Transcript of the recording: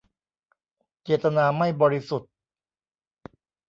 เจตนาไม่บริสุทธิ์